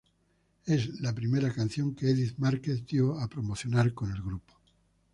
Es la primera canción que Edith Márquez dio a promocionar con el grupo.